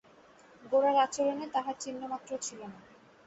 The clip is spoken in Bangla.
গোরার আচরণে তাহার চিহ্নমাত্রও ছিল না।